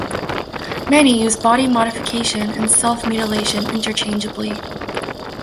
Many use body modification and self-mutilation interchangeably.